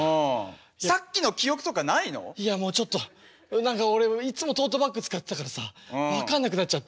何か俺いつもトートバッグ使ってたからさ分かんなくなっちゃって。